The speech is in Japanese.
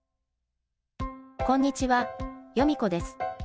こんにちはヨミ子です。